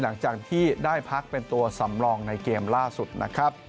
หลังจากที่ได้พักเป็นตัวสำรองในเกมล่าสุดนะครับ